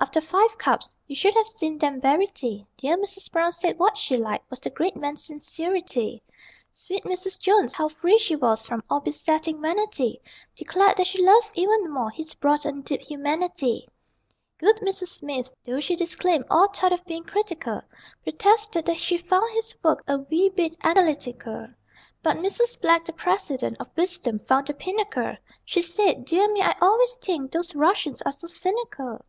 After five cups (You should have seen them bury tea) Dear Mrs. Brown said what she liked Was the great man's sincerity. Sweet Mrs. Jones (how free she was From all besetting vanity) Declared that she loved even more His broad and deep humanity. Good Mrs. Smith, though she disclaimed All thought of being critical, Protested that she found his work A wee bit analytical. But Mrs. Black, the President, Of wisdom found the pinnacle: She said, "Dear me, I always think Those Russians are so cynical."